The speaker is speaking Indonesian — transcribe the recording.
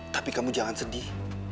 tapi kamu jangan sedih